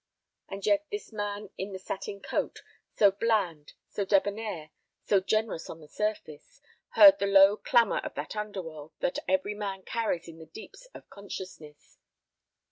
And yet this man in the satin coat, so bland, so debonair, so generous on the surface, heard the low clamor of that underworld that every man carries in the deeps of consciousness.